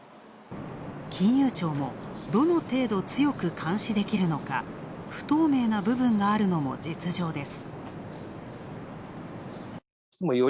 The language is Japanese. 金融庁も、どの程度強く監視できるのか不透明な部分があるのも実情です。